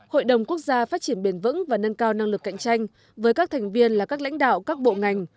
hội đồng quốc gia phát triển bền vững và nâng cao năng lực cạnh tranh với các thành viên là các lãnh đạo các bộ ngành